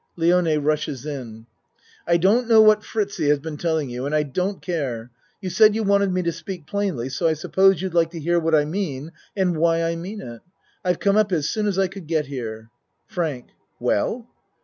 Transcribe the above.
(Lione rushes in.) I don't know what Fritiz has been telling you and I don't care. You said you wanted me to speak plainly so I suppose you'd like to hear what I mean and why I mean it. I've come up as soon as I could get here. FRANK Well?